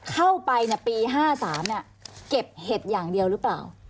เข้าไปเนี่ยปีห้าสามเนี่ยเก็บเห็ดอย่างเดียวหรือเปล่า